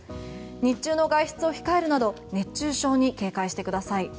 日中の外出を控えるなど熱中症に警戒してください。